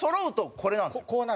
こうなるんです。